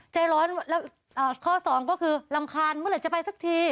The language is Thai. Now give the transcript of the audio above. ใจร้อนแล้วข้อสองก็คือรำคาญเมื่อไหร่จะไปสักที